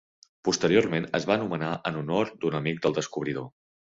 Posteriorment es va anomenar en honor d'un amic del descobridor.